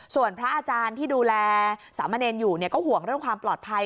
ส่วนพระอาจารย์ที่ดูแลสามเณรอยู่ก็ห่วงเรื่องความปลอดภัย